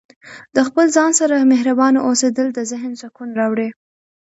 د خپل ځان سره مهربانه اوسیدل د ذهن سکون راوړي.